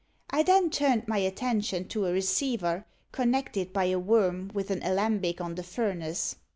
I then turned my attention to a receiver, connected by a worm with an alembic on the furnace.